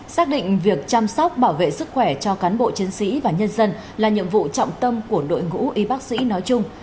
xác định việc chăm sóc bảo vệ sức khỏe cho cán bộ chiến sĩ và nhân dân là nhiệm vụ trọng tâm của đội ngũ y bác sĩ nói chung